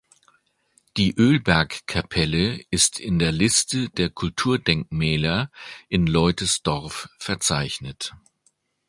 Die Ölbergkapelle ist in der Liste der Kulturdenkmäler in Leutesdorf verzeichnet.